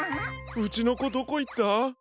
うちのこどこいった？